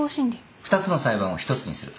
２つの裁判を１つにする。